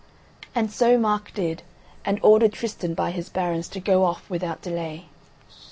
And so Mark did, and ordered Tristan by his barons to go off without delay.